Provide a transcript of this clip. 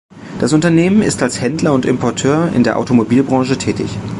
Das Unternehmen ist als Händler und Importeur in der Automobilbranche tätig.